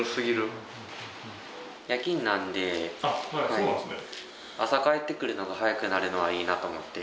そうなんですね。